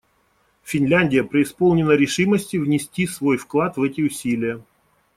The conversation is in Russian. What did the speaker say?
Финляндия преисполнена решимости внести свой вклад в эти усилия.